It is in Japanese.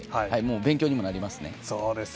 勉強にもなりますね。